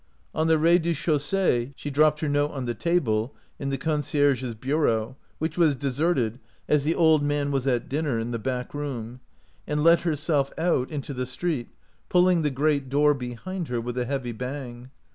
On the rez de chaussee she dropped her note on the table in the concierge's bureau, which was deserted, as the old man was at dinner in the back room, and let herself out into the i39 OUT OF BOHEMIA street, pulling the great door behind her with a heavy bang.